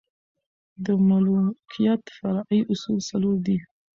د ملوکیت فرعي اصول څلور دي.